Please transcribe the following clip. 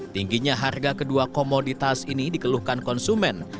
tingginya harga kedua komoditas ini dikeluhkan konsumen